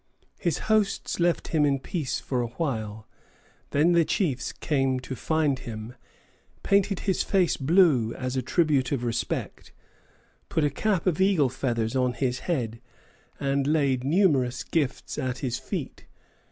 His hosts left him in peace for a while; then the chiefs came to find him, painted his face blue, as a tribute of respect, put a cap of eagle feathers on his head, and laid numerous gifts at his feet.